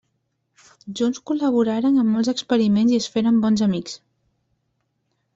Junts col·laboraren en molts experiments i es feren bons amics.